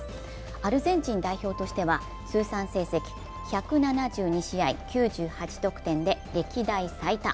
アルゼンチン代表としては通算成績１７２試合、９８得点で歴代最多。